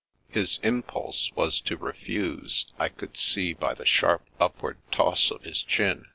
His impulse was to refuse, I could see by the sharp upward toss of his chin.